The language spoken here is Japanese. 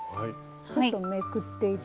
ちょっとめくって頂いて。